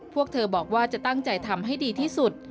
พวกเธอบอกว่าจะตั้งใจทำให้ดีที่สุด